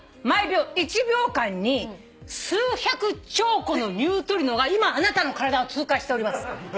毎秒１秒間に数百兆個のニュートリノが今あなたの体を通過しております。